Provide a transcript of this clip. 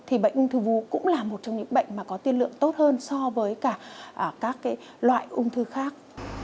thì bệnh ung thư vú cũng là một trong những bệnh mà có tiên lượng tốt hơn so với cả các loại ung thư khác